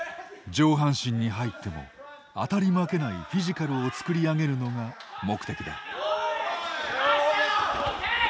上半身に入っても当たり負けないフィジカルを作り上げるのが目的だ。